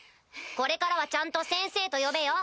これからはちゃんと「先生」と呼べよ。